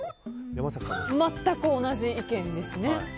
全く同じ意見です。